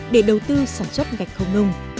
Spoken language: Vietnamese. để đầu tư sản xuất gạch không nung